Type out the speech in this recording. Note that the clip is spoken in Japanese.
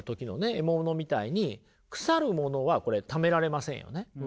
獲物みたいに腐るものはこれためられませんよね。